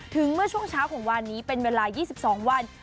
เมื่อช่วงเช้าของวันนี้เป็นเวลา๒๒วัน